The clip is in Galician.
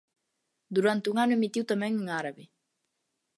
Durante un ano emitiu tamén en árabe.